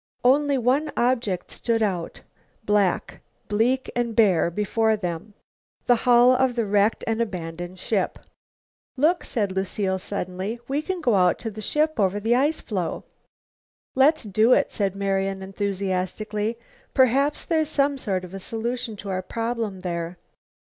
Only one object stood out, black, bleak and bare before them the hull of the wrecked and abandoned ship. "Look!" said Lucile suddenly, "we can go out to the ship over the ice floe!" "Let's do it," said Marian enthusiastically. "Perhaps there's some sort of a solution to our problem there."